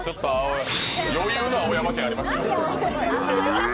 余裕の青山県ありましたよ。